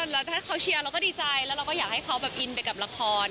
แล้วถ้าเขาเชียร์เราก็ดีใจแล้วเราก็อยากให้เขาแบบอินไปกับละคร